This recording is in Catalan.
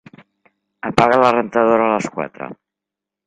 Apaga la rentadora a les quatre.